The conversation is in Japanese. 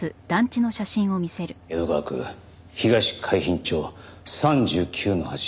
江戸川区東海浜町３９−８。